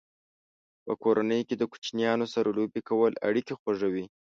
په کورنۍ کې د کوچنیانو سره لوبې کول اړیکې خوږوي.